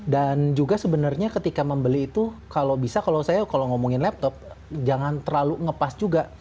dan juga sebenarnya ketika membeli itu kalau bisa kalau saya kalau ngomongin laptop jangan terlalu ngepas juga